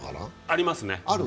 ありますね。